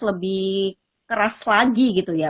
lebih keras lagi gitu ya